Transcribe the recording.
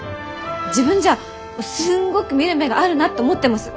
自分じゃすんごく見る目があるなって思ってます！